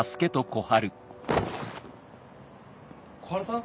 小春さん？